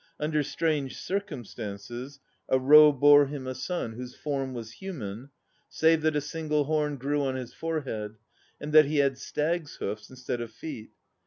Under strange circumstances 1 a roe bore him a son whose form was human, save that a single horn grew on his forehead, and that he had stag's hoofs instead of feet.